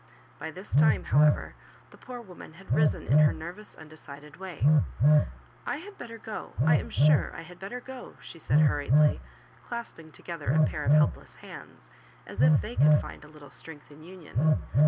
By this time, however, the poor woman had risen in her nervous, undecided way. "I had better go — I am sure I Iiad better go," she said, hurriedly, clasping together a pair of helpless hands, as if they could find a little strength in union.